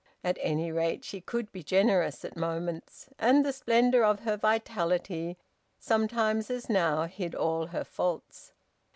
At any rate she could be generous at moments, and the splendour of her vitality sometimes, as now, hid all her faults.